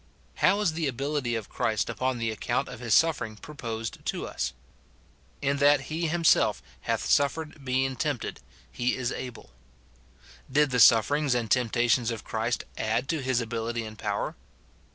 How is the ability of Christ upon the ac count of his suffering proposed to us ?" In that he him self hath suffered being tempted, he is able." Did the sufferings and temptations of Christ add to his ability and power